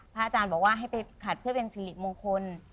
อาจารย์บอกว่าให้ไปขัดเพื่อเป็นสิริมงคล